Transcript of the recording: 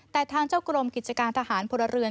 แต่ทางเจ้ากรมกิจการทหารพลเรือน